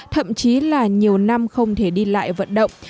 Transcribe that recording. thậm chí là nhiều năm không thể đi lại vận động